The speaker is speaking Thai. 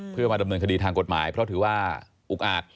เพื่อมาดำเนินคดีทางกฎหมายเพราะถือว่าอุกอาจ